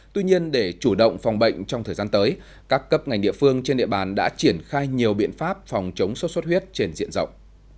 tuy nhiên để chủ động phòng bệnh trong thời gian tới các cấp ngành địa phương trên địa bàn đã triển khai nhiều biện pháp phòng chống sốt xuất huyết trên diện rộng